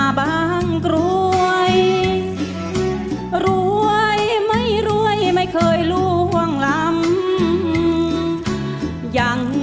เอาละครับ